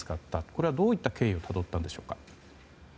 これはどういった経緯をたどったのでしょうか。